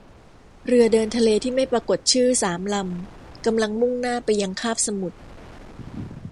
เรือเดินทะเลที่ไม่ปรากฏชื่อสามลำกำลังมุ่งหน้าไปยังคาบสมุทร